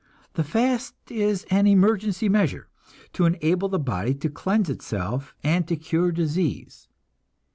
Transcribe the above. The fast is an emergency measure, to enable the body to cleanse itself and to cure disease.